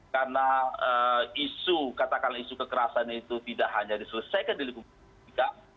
karena isu katakanlah isu kekerasan itu tidak hanya diselesaikan di lingkungan pendidikan